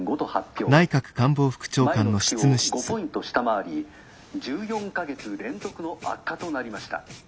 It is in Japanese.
前の月を５ポイント下回り１４か月連続の悪化となりました。